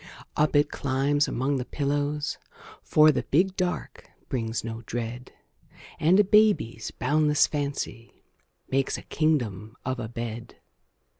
Up it climbs among the pillows, For the "big dark" brings no dread, And a baby's boundless fancy Makes a kingdom of a bed.